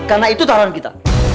karena itu taruhan kita